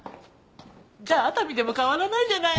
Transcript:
じゃあ熱海でも変わらないじゃない。